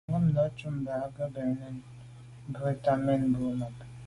Ngômnà' cúp mbə̄ á gə̀ mə̄ vwá' mɛ́n gə ̀tá bû mɛ́n bû máàp.